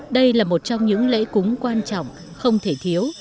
đây là một trong những lễ cúng quan trọng không thể thiếu